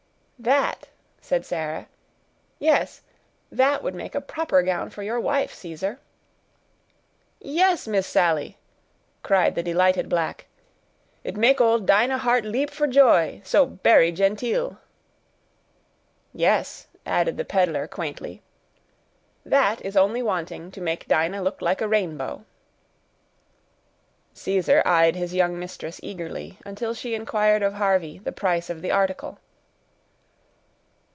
"That," said Sarah; "yes, that would make a proper gown for your wife, Caesar." "Yes, Miss Sally," cried the delighted black, "it make old Dinah heart leap for joy—so berry genteel." "Yes," added the peddler, quaintly, "that is only wanting to make Dinah look like a rainbow." Caesar eyed his young mistress eagerly, until she inquired of Harvey the price of the article.